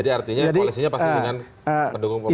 jadi artinya koalisinya pasti dengan pendukung pemerintah